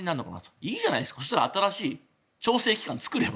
いいじゃないですかそしたら新しい調整機関を作れば。